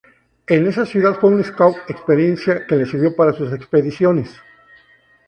En esa ciudad fue un scout, experiencia que le sirvió para sus expediciones.